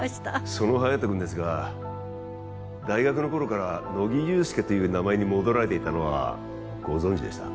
その隼人君ですが大学の頃から乃木憂助という名前に戻られていたのはご存じでした？